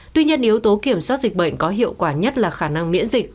tuy nhiên yếu tố kiểm soát dịch bệnh có hiệu quả nhất là khả năng miễn dịch